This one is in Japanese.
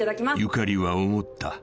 ［ゆかりは思った］